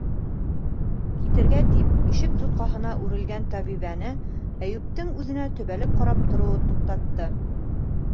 — Китергә тип ишек тотҡаһына үрелгән табибәне Әйүптең үҙенә төбәлеп ҡарап тороуы туҡтатты.